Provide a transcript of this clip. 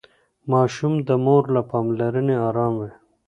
ماشوم د مور له پاملرنې ارام وي.